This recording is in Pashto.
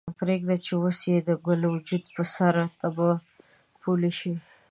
پریږده چې اوس یې ګل وجود په سره تبۍ پولۍ شي